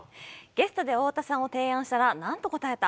ゲストで太田さんを提案したらなんと答えた？